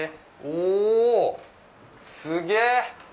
お、すげえ！